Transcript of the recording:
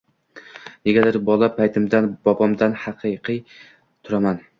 Negadir, bola paytimdan bobomdan hayiqib turaman